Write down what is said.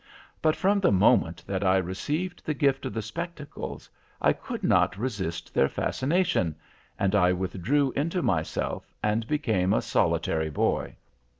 But from the moment that I received the gift of the spectacles, I could not resist their fascination, and I withdrew into myself, and became a solitary boy.